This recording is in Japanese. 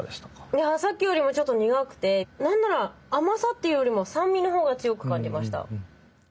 いやさっきよりもちょっと苦くて何なら甘さっていうよりも酸味の方が強く感じました。